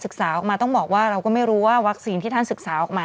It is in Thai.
ออกมาต้องบอกว่าเราก็ไม่รู้ว่าวัคซีนที่ท่านศึกษาออกมา